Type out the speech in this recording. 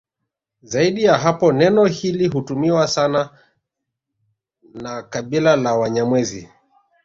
Zaidi ya hapo neno hili hutumiwa sana na kabila la Wanyamwezi